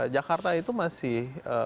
jakarta itu masih